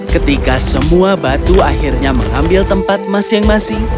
ketika semua batu akhirnya mengambil tempat masing masing